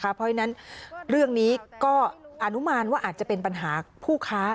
เพราะฉะนั้นเรื่องนี้ก็อนุมานว่าอาจจะเป็นปัญหาผู้ค้า